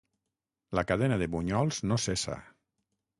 La cadena de bunyols no cessa.